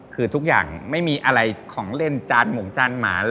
คือทุกอย่างไม่มีอะไรของเล่นจานหมงจานหมา